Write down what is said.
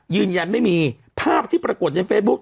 ยืนยันไม่มีภาพที่ปรากฏในเฟซบุ๊ค